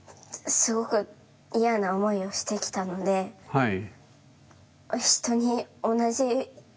はい。